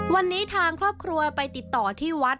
วันนี้ทางครอบครัวไปติดต่อที่วัด